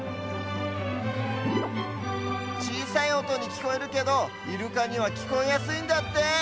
ちいさいおとにきこえるけどイルカにはきこえやすいんだって。